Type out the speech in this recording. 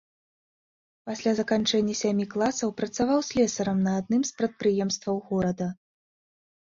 Пасля заканчэння сямі класаў працаваў слесарам на адным з прадпрыемстваў горада.